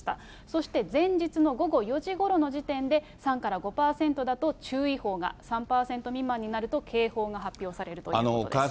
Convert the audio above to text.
そして前日の午後４時ごろの時点で３から５％だと注意報が、３％未満になると、警報が発表されるということです。